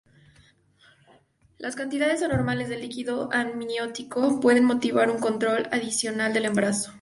Las cantidades anormales de líquido amniótico pueden motivar un control adicional del embarazo.